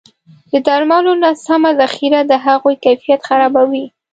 د درملو نه سمه ذخیره د هغوی کیفیت خرابوي.